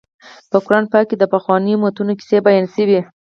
په قران پاک کې د پخوانیو امتونو کیسې بیان شوي.